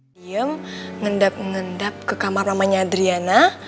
diam ngendap ngendap ke kamar mamanya adriana